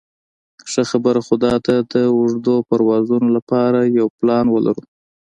ښه خبره خو داده د اوږدو پروازونو لپاره یو پلان ولرو.